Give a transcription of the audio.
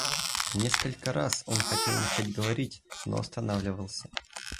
Несколько раз он хотел начать говорить, но останавливался.